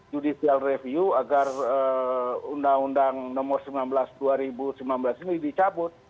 judicial review agar undang undang nomor sembilan belas dua ribu sembilan belas ini dicabut